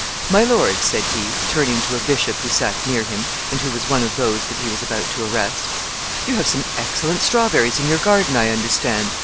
"My lord," said he, turning to a bishop who sat near him, and who was one of those that he was about to arrest, "you have some excellent strawberries in your garden, I understand.